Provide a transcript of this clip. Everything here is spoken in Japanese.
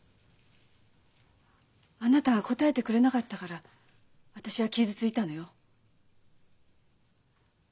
あなたが答えてくれなかったから私は傷ついたのよ。